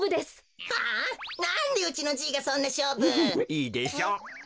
いいでしょう。